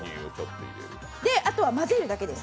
で、あとは混ぜるだけです。